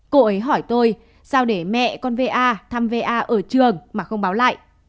cô ấy hỏi tôi sao để mẹ con va thăm va ở trường mà không báo lại